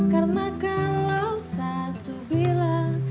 karena kalau sa subila